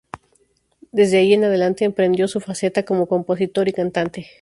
Desde ahí en adelante emprendió su faceta como compositor y cantante.